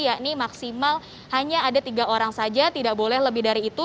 yakni maksimal hanya ada tiga orang saja tidak boleh lebih dari itu